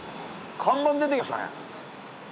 看板出てきましたね。